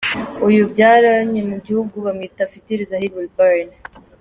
Uyu babyaranye umuhungu bamwita Future Zahir Wilburn.